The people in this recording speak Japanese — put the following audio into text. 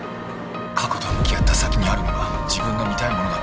過去と向き合った先にあるのが自分の見たいものだとは限らない。